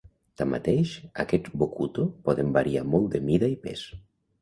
Tanmateix, aquests bokuto poden variar molt de mida i pes.